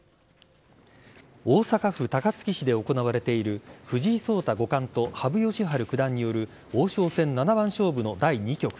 大阪府高槻市で行われている藤井聡太五冠と羽生善治九段による王将戦七番勝負の第２局。